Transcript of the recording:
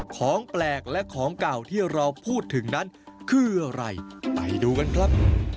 ของแปลกและของเก่าที่เราพูดถึงนั้นคืออะไรไปดูกันครับ